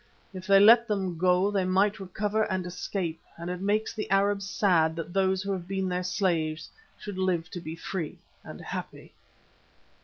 If they let them go they might recover and escape, and it makes the Arabs sad that those who have been their slaves should live to be free and happy."